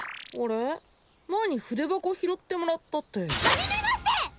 前に筆箱を拾ってもらったって初めまして！